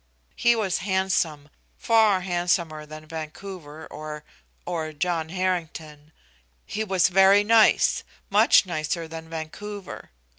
He was handsome far handsomer than Vancouver or or John Harrington. He was very nice; much nicer than Vancouver.